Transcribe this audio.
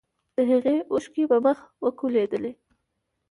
د هغې اوښکې په مخ وکولېدلې.